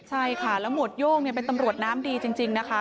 ใช่ค่ะแล้วหมวดโย่งเป็นตำรวจน้ำดีจริงนะคะ